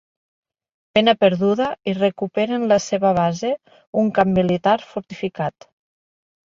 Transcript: Pena perduda, recuperen la seva base, un camp militar fortificat.